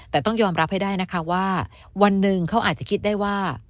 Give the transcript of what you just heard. แต่ต้องยอมรับให้ได้นะคะว่าวันหนึ่งเขาอาจจะคิดได้ว่า